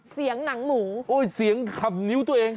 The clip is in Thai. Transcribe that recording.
เสียงหนังหมูโอ้ยเสียงขำนิ้วตัวเอง